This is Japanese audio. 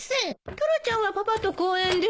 タラちゃんはパパと公園でしょ。